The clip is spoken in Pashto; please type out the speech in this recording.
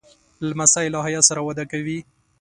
لمسی له حیا سره وده کوي.